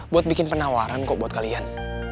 buat bikin penawaran kok buat kalian